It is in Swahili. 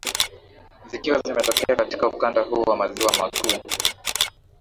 zikiwa zimetokea katika ukanda huu wa maziwa makuu